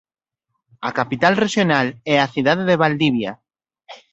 A capital rexional é a cidade de Valdivia.